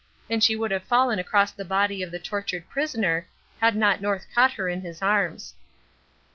and she would have fallen across the body of the tortured prisoner had not North caught her in his arms.